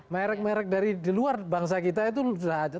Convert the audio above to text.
merek merek dari di luar bangsa kita itu sudah ada